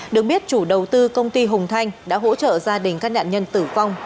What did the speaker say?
được biết chủ đầu tư công ty hùng thanh đã hỗ trợ gia đình các nạn nhân tử vong